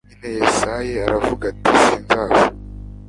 nyine yesayi aravuga ati sinzaza